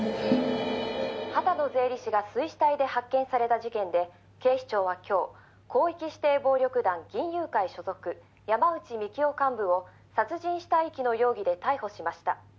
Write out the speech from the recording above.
「秦野税理士が水死体で発見された事件で警視庁は今日広域指定暴力団銀雄会所属山内幹夫幹部を殺人死体遺棄の容疑で逮捕しました。